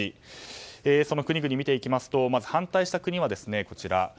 その国々を見ていきますと反対した国は、こちら。